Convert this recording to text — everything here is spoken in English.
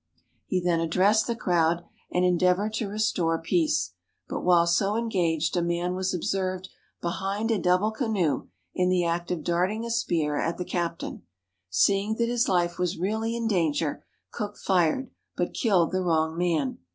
He then addressed the crowd, and endeavored to restore peace, but while so engaged a man was observed behind a double canoe in the act of darting a spear at the cap tain. Seeing that his life was really in danger, Cook fired, but killed the wrong man.